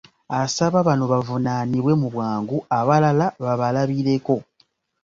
Asaba bano bavunaanibwe mu bwangu, abalala babalabireko.